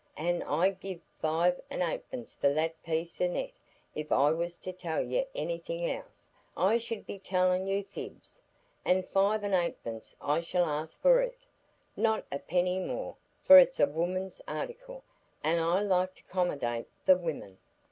An' I gev five an' eightpence for that piece o' net,—if I was to tell y' anything else I should be tellin' you fibs,—an' five an' eightpence I shall ask of it, not a penny more, for it's a woman's article, an' I like to 'commodate the women.